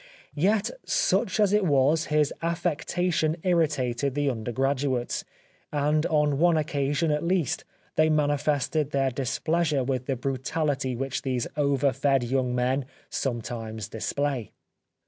Yet, such as it was, his affecta tion irritated the undergraduates, and on one oc casion, at least, they manifested their displeasure with the brutality which these over fed young men sometimes display.